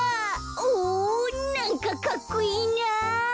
おおなんかかっこいいな！